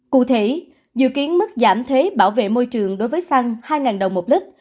cụ thể dự kiến mức giảm thế bảo vệ môi trường đối với xăng hai đồng một lít